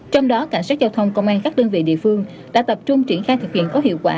trong đó cảnh sát giao thông công an các đơn vị địa phương đã tập trung triển khai thực hiện có hiệu quả